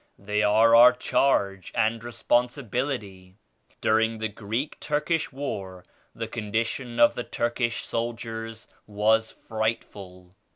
They are our charge and responsibility. During the Greek Turk ish war the condition of the Turkish soldiers was frightful.